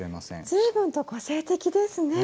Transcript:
随分と個性的ですね。